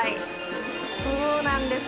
そうなんです。